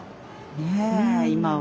ねえ今は。